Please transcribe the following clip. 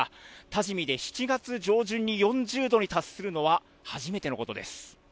多治見で７月上旬に４０度に達するのは初めてのことです。